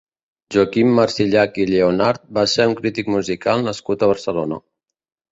Joaquim Marsillach i Lleonart va ser un crític musical nascut a Barcelona.